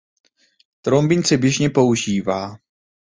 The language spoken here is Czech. Trombin se běžně používá.